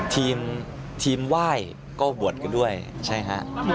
ทีมทีมไหว้ก็บวชกันด้วยใช่ครับ